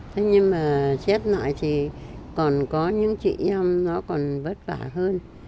thế nhưng mà chết lại thì còn có những chị em nó còn vất vả hơn